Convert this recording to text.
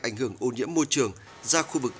ảnh hưởng ô nhiễm môi trường ra khu vực